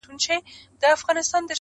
هره ورځ لکه لېندۍ پر ملا کږېږم٫